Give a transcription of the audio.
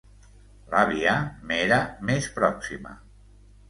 L'àvia m'era més pròxima...